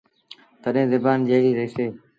تڏهيݩ زبآن جيٚريٚ رهيٚسي۔